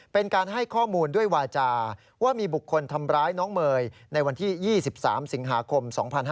เป็นการให้ข้อมูลด้วยวาจาว่ามีบุคคลทำร้ายน้องเมย์ในวันที่๒๓สิงหาคม๒๕๕๙